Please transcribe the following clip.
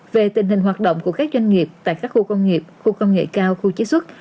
về tình hình hoạt động của các doanh nghiệp tại các khu công nghiệp khu công nghệ cao khu chế xuất